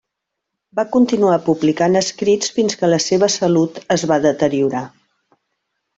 Va continuar publicant escrits fins que la seva salut es va deteriorar.